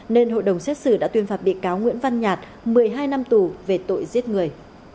nên hội đồng xét xử đã tuyên phạt bị cáo nguyễn văn nhạt một mươi hai năm tù về tội giết người